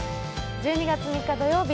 １２月３日土曜日